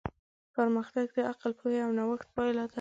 پرمختګ د عقل، پوهې او نوښت پایله ده.